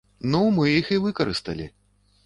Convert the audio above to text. Ну мы іх і выкарысталі.